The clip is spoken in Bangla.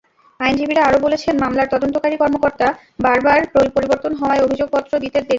আইনজীবীরা আরও বলেছেন, মামলার তদন্তকারী কর্মকর্তা বারবার পরিবর্তন হওয়ায় অভিযোগপত্র দিতে দেরি হয়।